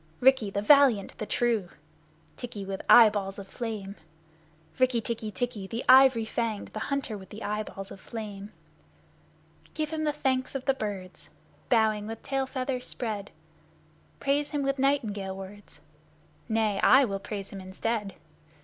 Rikki, the valiant, the true, Tikki, with eyeballs of flame, Rikk tikki tikki, the ivory fanged, the hunter with eyeballs of flame! Give him the Thanks of the Birds, Bowing with tail feathers spread! Praise him with nightingale words Nay, I will praise him instead.